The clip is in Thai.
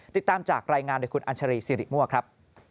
ติดตามจากรายงานโดยคุณอัญชารีสิริมั่วครับ